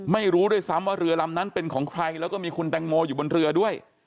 ไม่รู้ด้วยซ้ำว่าเรือลำนั้นเป็นของใครแล้วก็มีคุณแตงโมอยู่บนเรือด้วย